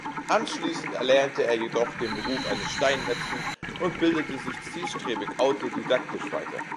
Anschließend erlernte er jedoch den Beruf eines Steinmetzen und bildete sich zielstrebig autodidaktisch weiter.